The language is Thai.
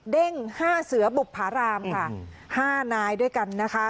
เด้ง๕เสือบุภารามค่ะ๕นายด้วยกันนะคะ